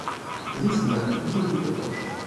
This man is a window washer.